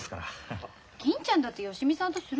銀ちゃんだって芳美さんとするのよ？